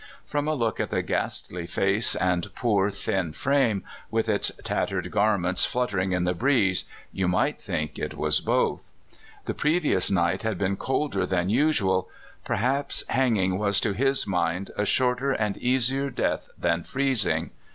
From a look at the ghastty face and poor, thin frame, with its tattered garments flutter ing in the breeze, you might think it was both. The previous night had been colder than usual; perhaps hanging was to his mind a shorter and easier death than freezing.